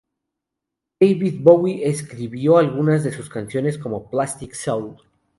David Bowie describió algunas de sus canciones como "plastic soul".